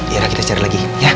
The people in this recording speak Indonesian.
yaudah kita cari lagi ya